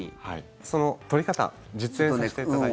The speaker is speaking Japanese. その取り方実演させていただきます。